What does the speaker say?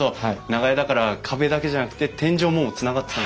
長屋だから壁だけじゃなくて天井もつながってた。